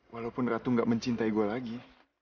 walaupun ratu gak mencintai gue lagi